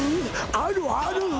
あるある！？